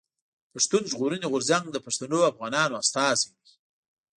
پښتون ژغورني غورځنګ د پښتنو افغانانو استازی دی.